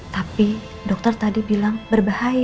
tapi dokter tadi bilang berbahaya